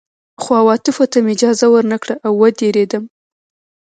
خو عواطفو ته مې اجازه ور نه کړه او ودېردم